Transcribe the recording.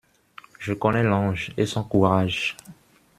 Je connais l'ange et son courage.